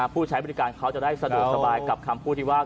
ผู้ใช้บริการเขาจะได้สะดวกสบายกับคำพูดที่ว่า